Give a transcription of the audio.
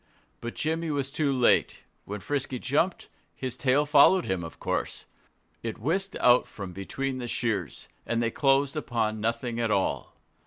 But Jimmy was too late. When Frisky jumped, his tail followed him, of course. It whisked out from between the shears; and they closed upon nothing at all.